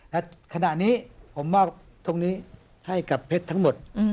และขนาดนั้นผมเหง้อนี่ให้กับเพชรทั้งหมด